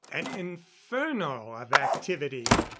An inferno of activity.